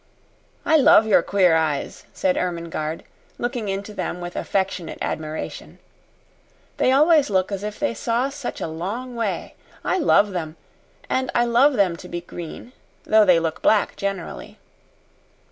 "I love your queer eyes," said Ermengarde, looking into them with affectionate admiration. "They always look as if they saw such a long way. I love them and I love them to be green though they look black generally."